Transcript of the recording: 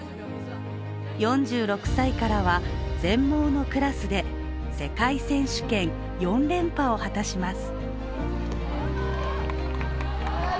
４６歳からは全盲のクラスで世界選手権４連覇を果たします。